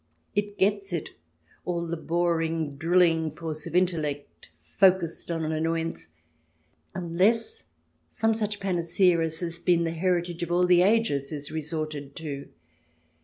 It gets it — all the boring, drilling force of intellect focussed on an annoyance — unless some such panacea as has been the heritage of all the ages is resorted to.